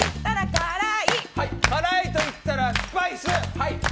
辛いといったらスパイス。